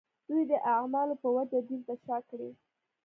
دوی د اعمالو په وجه دین ته شا کړي.